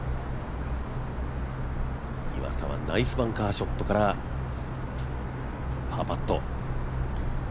岩田はナイスバンカーショットからパーパット。